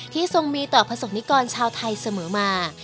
ทรงมีต่อประสบนิกรชาวไทยเสมอมา